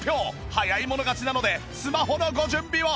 早い者勝ちなのでスマホのご準備を！